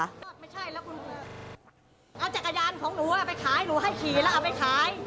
เอาจักรยานของหนูเอาไปขายหนูให้ขี่แล้วเอาไปขาย